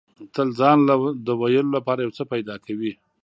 تل ځان له د ویلو لپاره یو څه پیدا کوي.